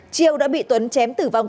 triêu đã bị tuấn chém tử vong